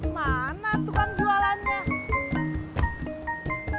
mana tukang jualannya